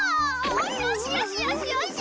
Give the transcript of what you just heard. よしよしよしよし。